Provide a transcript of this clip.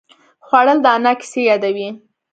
خوړل د انا کیسې یادوي